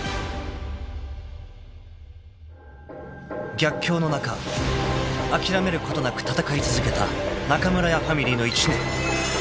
［逆境の中諦めることなく戦い続けた中村屋ファミリーの一年］